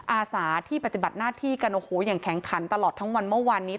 อาสาที่ปฏิบัติหน้าที่กันโอ้โหอย่างแข็งขันตลอดทั้งวันเมื่อวานนี้